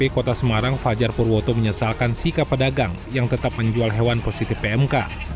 kota semarang fajar purwoto menyesalkan sikap pedagang yang tetap menjual hewan positif pmk